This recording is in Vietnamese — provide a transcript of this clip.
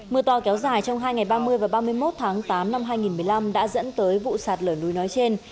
mưa to kéo dài trong hai ngày ba mươi và ba mươi một tháng tám năm hai nghìn một mươi năm đã dẫn tới vụ sạt lở núi nói trên